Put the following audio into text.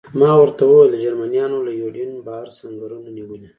ما ورته وویل: جرمنیانو له یوډین بهر سنګرونه نیولي.